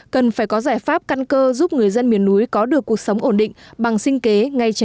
cần phải có giải pháp căn cơ giúp người dân miền núi có được cuộc sống ổn định bằng sinh kế ngay trên